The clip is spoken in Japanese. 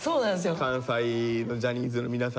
関西のジャニーズの皆さんはね。